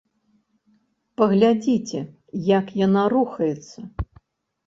Паглядзіце, як яна рухаецца!